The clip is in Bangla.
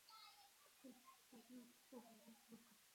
তখন লোকজন য়াযীদ ইবন মুহাল্লাবের কথা আলোচনা করছিল।